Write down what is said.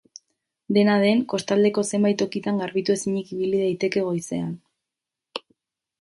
Dena den, kostaldeko zenbait tokitan garbitu ezinik ibili daiteke goizean.